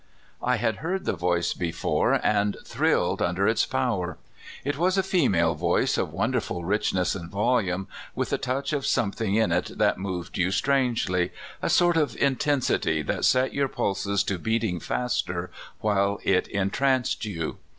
I had heard the voice before, and thrilled under its power. It was a female voice of wonderful richness and volume, with a touch of something in it that moved you strangely — a sort of intensity that set your pulses to beating faster, while it en tranced you.